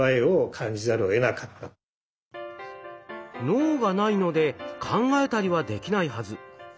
脳がないので考えたりはできないはず。